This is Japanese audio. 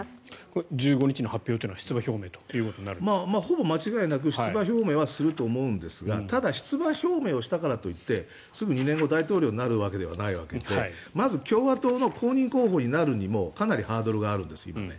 これは１５日の発表というのはほぼ間違いなく出馬表明はすると思うんですがただ、出馬表明したからといってすぐ２年後大統領になるわけではないのでまず共和党の公認候補になるにもかなりハードルがあるんです今。